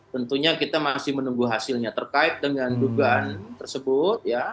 tentunya kita masih menunggu hasilnya terkait dengan dugaan tersebut